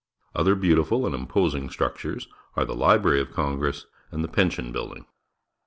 Other beautiful and imposing structures are the Library of Congress and the Pension Building.